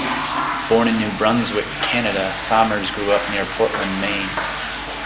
Born in New Brunswick, Canada, Somers grew up near Portland, Maine.